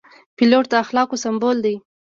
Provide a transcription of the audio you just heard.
پیلوټ د اخلاقو سمبول دی.